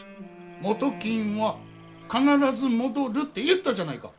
元金は必ず戻るって言ったじゃないか。